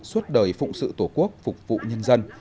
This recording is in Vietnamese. suốt đời phụng sự tổ quốc phục vụ nhân dân